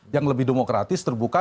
yang lebih demokratis terbuka